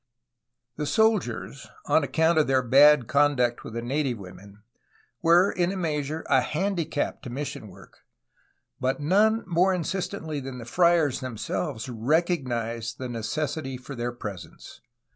The soldiers, on account of their bad conduct with the native women, w^ere in a measure a handicap to mission work, but none more insistently than the friars themselves recog nized the necessity for their presence.